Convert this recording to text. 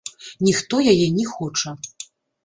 Ніхто яе не хоча.